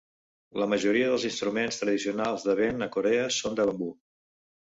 La majoria dels instruments tradicionals de vent a Corea són de bambú.